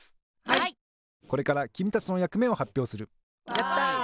やった！